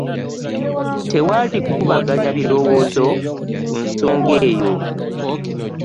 Tewali kukubaganya birowoozo ku nsonga eyo.